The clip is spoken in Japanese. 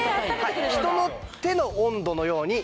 人の手の温度のように。